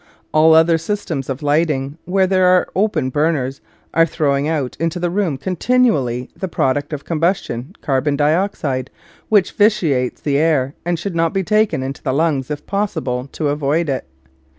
All other systems of lighting, where there are open burners, are throwing out into the room continually the product of combus tion, carbon dioxide, which vitiates the air and should not be taken into the lungs if pos sible to avoid it.